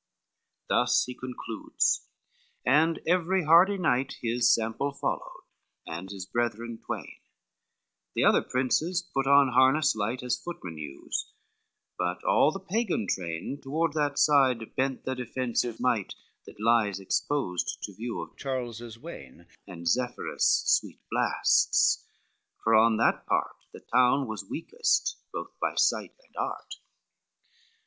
XXV Thus he concludes, and every hardy knight His sample followed, and his brethren twain, The other princes put on harness light, As footmen use: but all the Pagan train Toward that side bent their defensive might Which lies exposed to view of Charles's wain And Zephyrus' sweet blasts, for on that part The town was weakest, both by side and art.